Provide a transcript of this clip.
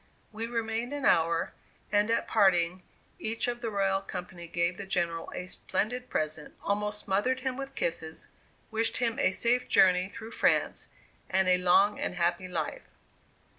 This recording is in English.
We remained an hour, and at parting, each of the royal company gave the General a splendid present, almost smothered him with kisses, wished him a safe journey through France, and a long and happy life.